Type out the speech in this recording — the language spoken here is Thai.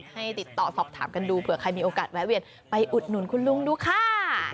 ให้ติดต่อสอบถามกันดูเผื่อใครมีโอกาสแวะเวียนไปอุดหนุนคุณลุงดูค่ะ